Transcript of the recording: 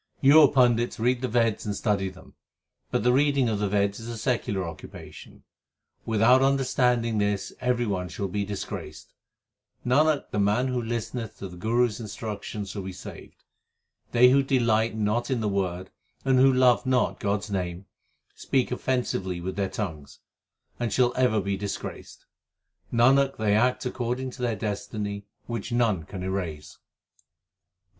4 You, O Pandits, read the Veds and study them, 4 But the reading of the Veds is a secular occupation. < Without understanding this every one shall be disgraced, 1 Who calls to prayer from the top of a mosque. 346 THE SIKH RELIGION Nanak, the man who listeneth to the Guru s instruction shall be saved. They who delight not in the Word and who love not God s name, Speak offensively with their tongues, and shall ever be disgraced. Nanak, they act according to their destiny which none can erase.